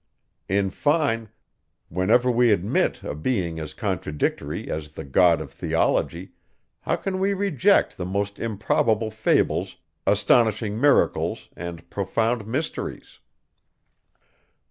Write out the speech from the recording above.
In fine, whenever we admit a being as contradictory as the God of theology, how can we reject the most improbable fables, astonishing miracles, and profound mysteries.